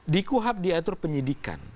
di kuhap diatur penyidikan